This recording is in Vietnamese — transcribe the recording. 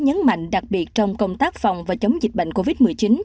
nhấn mạnh đặc biệt trong công tác phòng và chống dịch bệnh covid một mươi chín